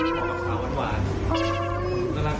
ก็คือยูปกรูเหลือความหวานน่ารัก